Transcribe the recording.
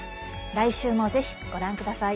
来週も、ぜひご覧ください。